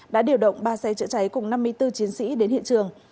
đã điều động ba xe chữa cháy cùng năm mươi bốn chiến sĩ đến hiện trường